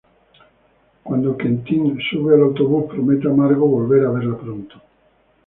Cuando Quentin sube al autobús, promete a Margo volver a verla pronto.